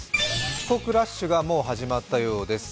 帰国ラッシュが始まったようです